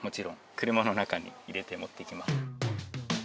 車の中に入れて持っていきます。